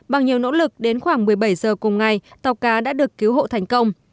bằng nhiều nỗ lực đến khoảng một mươi bảy giờ cùng ngày tàu cá đã được cứu hộ thành công